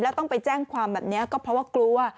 แล้วต้องไปแจ้งความแบบนี้ก็เพราะว่ากลัว